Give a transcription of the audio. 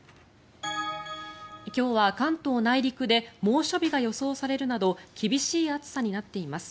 今日は関東内陸で猛暑日が予想されるなど厳しい暑さになっています。